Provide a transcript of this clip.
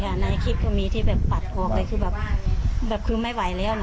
ในคลิปก็มีที่แบบปัดออกเลยคือแบบคือไม่ไหวแล้วนะ